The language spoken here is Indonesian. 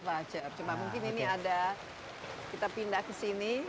satu pocer cuma mungkin ini ada kita pindah kesini